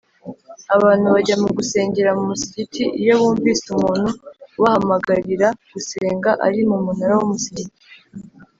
abantu bajya gusengera mu musigiti iyo bumvise umuntu ubahamagarira gusenga ari mu munara w’umusigiti.